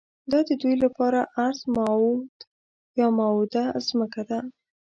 دا ددوی لپاره ارض موعود یا موعوده ځمکه ده.